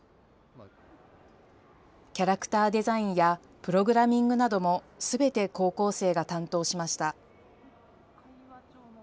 キャラクターデザインやプログラミングなどもすべて高校生が担当しました。